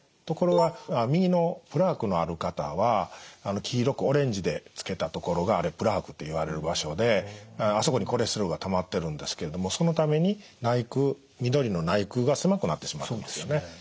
ところが右のプラークのある方は黄色くオレンジでつけた所があれプラークといわれる場所であそこにコレステロールがたまってるんですけれどもそのために緑の内腔が狭くなってしまったんですよね。